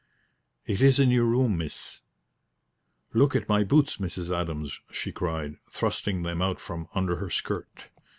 "It is in your room, miss." "Look at my boots, Mrs. Adams!" she cried, thrusting them out from under her skirt.